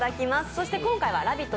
そして今回は「ラヴィット！」